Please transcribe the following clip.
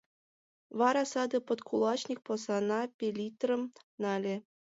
Вара саде подкулачник посана пеллитрым нале.